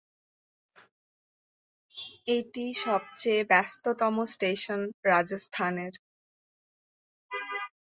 এটি সবচেয়ে ব্যস্ততম স্টেশন রাজস্থানের।